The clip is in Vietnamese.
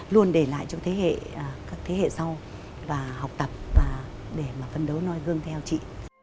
luôn để lại cho thế hệ các thế hệ sau và học tập và để mà phân đấu noi gương theo chị